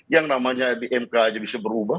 yang namanya di mk aja bisa berubah